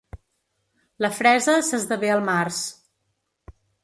La fresa s'esdevé al març.